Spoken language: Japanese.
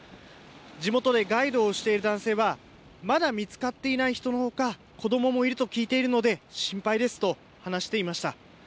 地元でガイドをしている男性はまだ見つかっていない人のほか子どももいると聞いているので心配ですと話していました。